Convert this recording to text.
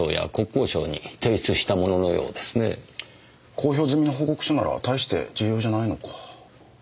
公表済みの報告書なら大して重要じゃないのか。